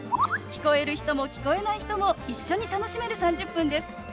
聞こえる人も聞こえない人も一緒に楽しめる３０分です。